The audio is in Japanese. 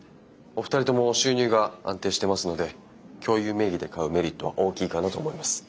お二人とも収入が安定してますので共有名義で買うメリットは大きいかなと思います。